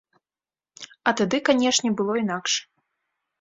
А тады, канешне было інакш.